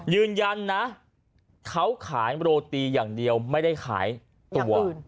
ยืนยันนะเขาขายโรตีอย่างเดียวไม่ได้ขายตัว